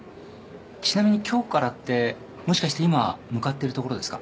ちなみに今日からってもしかして今向かってるところですか？